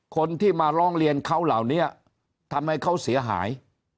คนที่มาร้องเรียนเขาเหล่านี้ทำให้เขาเสียหาย